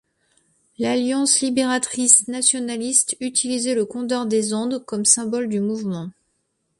L’Alliance libératrice nationaliste utilisait le condor des Andes comme symbole du mouvement.